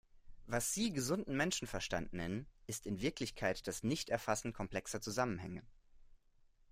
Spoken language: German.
Was Sie gesunden Menschenverstand nennen, ist in Wirklichkeit das Nichterfassen komplexer Zusammenhänge.